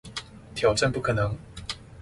挑戰不可能